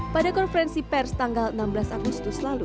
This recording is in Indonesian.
pada konferensi pers tanggal enam belas agustus lalu